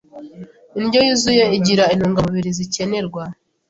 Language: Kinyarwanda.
Indyo yuzuye igira intungamubiri zikenerwa